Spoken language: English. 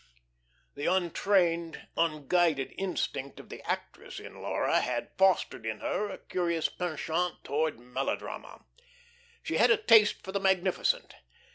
The untrained, unguided instinct of the actress in Laura had fostered in her a curious penchant toward melodrama. She had a taste for the magnificent.